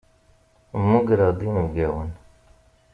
Mmugreɣ inebgawen.